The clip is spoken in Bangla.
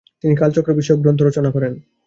তিনি কালচক্র বিষয়ক গ্রন্থ রচনা করেন।